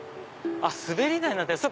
滑り台になってる。